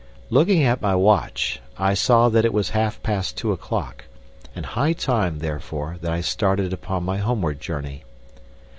Looking at my watch, I saw that it was half past two o'clock, and high time, therefore, that I started upon my homeward journey.